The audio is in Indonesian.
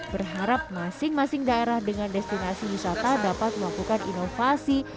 berharap masing masing daerah dengan destinasi wisata dapat melakukan inovasi